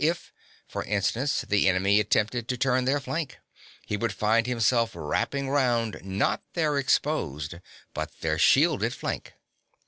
If, for instance, the enemy attempted to turn their flank, he would find himself wrapping round, not their exposed, but their shielded flank.